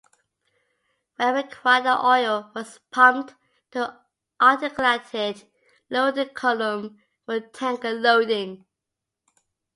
When required the oil was pumped to the Articulated Loading Column for tanker loading.